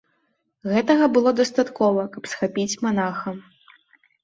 Гэтага было дастаткова, каб схапіць манаха.